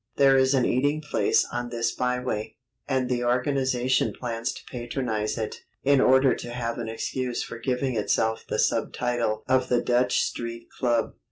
There is an eating place on this byway, and the organization plans to patronize it, in order to have an excuse for giving itself the sub title of the Dutch Street Club.